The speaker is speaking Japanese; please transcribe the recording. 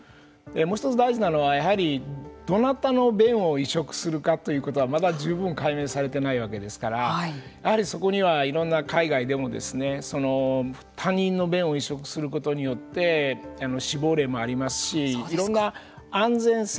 もう一つ、大事なのはどなたの便を移植するかということはまだ十分解明されてないわけですからやはりそこにはいろんな海外でも他人の便を移植することによる死亡例もありますしいろんな安全性